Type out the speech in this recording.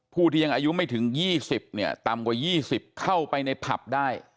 ผู้ที่ยังอายุไม่ถึง๒๐เนี่ยต่ำกว่า๒๐เข้าไปในผับได้